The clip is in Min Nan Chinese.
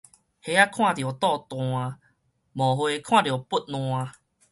蝦仔看著倒彈，毛蟹看著發瀾